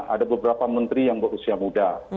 ada beberapa menteri yang berusia muda